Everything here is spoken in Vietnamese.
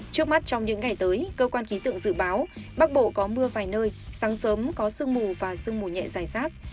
trước mắt trong những ngày tới cơ quan khí tượng dự báo bắc bộ có mưa vài nơi sáng sớm có sương mù và sương mù nhẹ dài rác